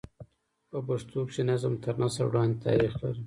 په پښتو کښي نظم تر نثر وړاندي تاریخ لري.